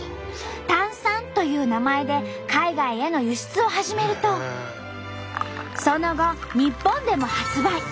「タンサン」という名前で海外への輸出を始めるとその後日本でも発売。